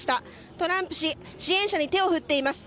トランプ氏、支援者に手を振っています。